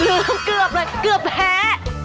เกือบเลยเกือบแพ้